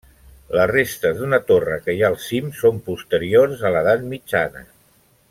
Les restes d'una torre que hi ha al cim són posteriors a l'edat mitjana.